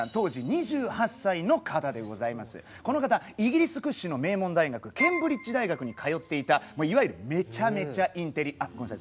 この方イギリス屈指の名門大学ケンブリッジ大学に通っていたいわゆるめちゃめちゃインテリあっごめんなさい。